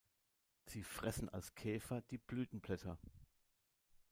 Sie fressen als Käfer die Blütenblätter.